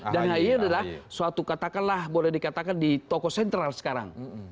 dan hayi adalah suatu katakanlah boleh dikatakan di toko sentral sekarang